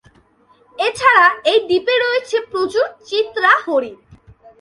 এছাড়া এই দ্বীপে রয়েছে প্রচুর চিত্রা হরিণ।